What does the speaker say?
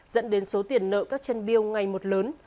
dẫn đến số tiền nợ các chân biêu ngày một lớn